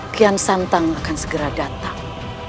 kian santang akan segera datang